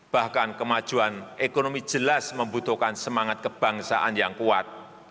bahkan kemajuan ekonomi jelas membutuhkan semangat kebangsaan yang kuat